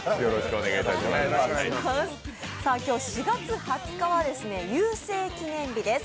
今日４月２０日は郵政記念日です。